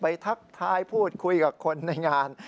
ทักทายพูดคุยกับคนในงาน